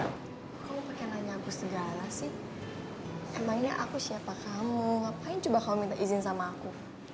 kalau pakai nanya aku segala sih emangnya aku siapa kamu ngapain coba kamu minta izin sama aku